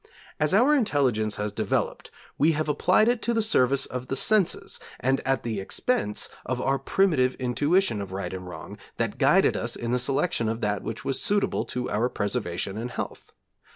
As our intelligence has developed we have applied it to the service of the senses and at the expense of our primitive intuition of right and wrong that guided us in the selection of that which was suitable to our preservation and health.